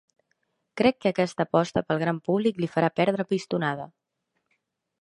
Crec que aquesta aposta pel gran públic li farà perdre pistonada.